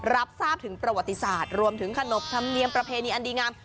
รับทราบถึงประวัติศาสตร์รวมถึงขนบธรรมเนียมประเพณีอันดีงาม